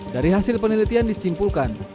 dari hasil penelitian disimpulkan